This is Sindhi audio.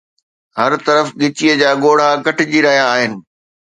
هر طرف ڳچيءَ جا ڳوڙها ڪٽجي رهيا آهن